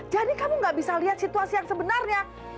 jadi kamu gak bisa lihat situasi yang sebenarnya